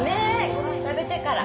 ごはん食べてから。